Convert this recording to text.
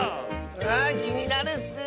あきになるッス。